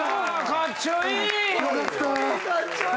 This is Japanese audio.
かっちょいい！